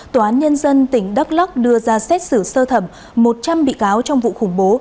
tòa án nhân dân tỉnh đắk lóc đưa ra xét xử sơ thẩm một trăm linh bị cáo trong vụ khủng bố